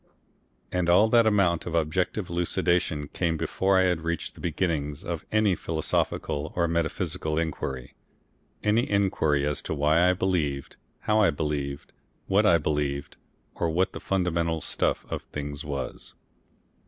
And all that amount of objective elucidation came before I had reached the beginnings of any philosophical or metaphysical inquiry, any inquiry as to why I believed, how I believed, what I believed, or what the fundamental stuff of things was.